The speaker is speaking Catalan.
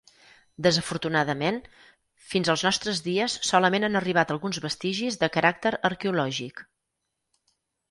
Desafortunadament, fins als nostres dies solament han arribat alguns vestigis de caràcter arqueològic.